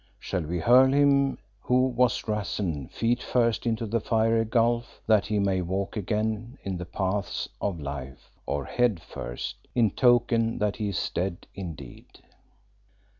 Shall we hurl him who was Rassen feet first into the fiery gulf, that he may walk again in the paths of life, or head first, in token that he is dead indeed?"